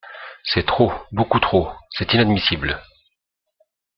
C’est trop, beaucoup trop, c’est inadmissible.